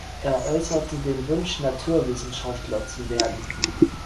Er äusserte den Wunsch, Naturwissenschaftler zu werden.